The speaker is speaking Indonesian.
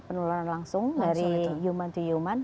penularan langsung dari human to human